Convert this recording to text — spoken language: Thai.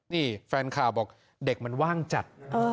นี่แฟนข่าวบอกเด็กมันว่างจัด